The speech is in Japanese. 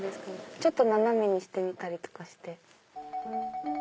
ちょっと斜めにしてみたりとか。